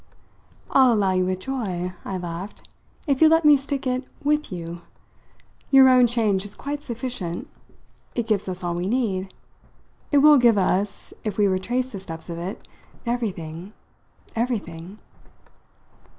"I'll allow you with joy," I laughed, "if you'll let me stick to it with you. Your own change is quite sufficient it gives us all we need. It will give us, if we retrace the steps of it, everything, everything!"